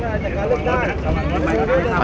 สวัสดีครับทุกคน